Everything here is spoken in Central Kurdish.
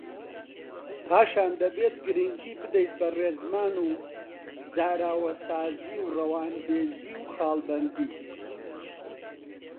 پاشان دەبێت گرنگی بدەیت بە ڕێزمان و زاراوەسازی و ڕەوانبێژی و خاڵبەندی